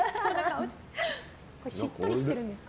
しっとりしてるんですか？